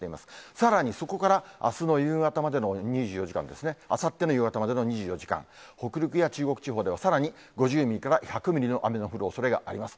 さらにそこからあすの夕方までの２４時間ですね、あさっての夕方までの２４時間、北陸や中国地方では、さらに５０ミリから１００ミリの雨の降るおそれがあります。